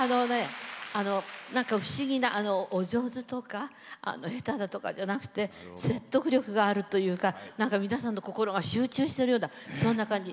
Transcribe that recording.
不思議な、お上手とか下手だとかじゃなくて説得力があるというか、心が集中してるような、そんな感じ。